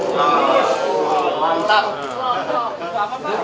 dari dua ratus orang korbannya